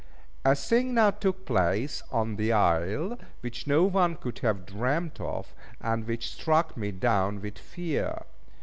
A thing now took place on the isle, which no one could have dreamt of, and which struck me down with fear.